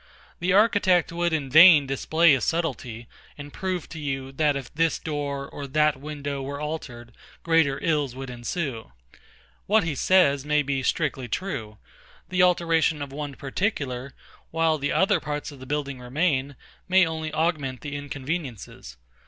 The architect would in vain display his subtlety, and prove to you, that if this door or that window were altered, greater ills would ensue. What he says may be strictly true: The alteration of one particular, while the other parts of the building remain, may only augment the inconveniences.